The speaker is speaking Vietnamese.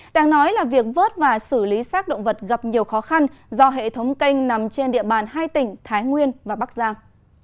đang nói là việc vớt và xử lý sát động vật gặp nhiều khó khăn do hệ thống canh nằm trên địa bàn hai tỉnh thái nguyên và bắc giang